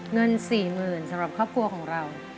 เงินสี่หมื่นสำหรับครอบครัวของเรา